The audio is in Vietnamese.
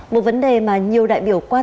một vấn đề mà nhiều đại biểu quan tâm